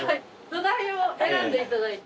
土台を選んでいただいて。